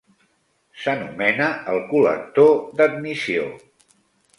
S'anomena el col·lector d'admissió.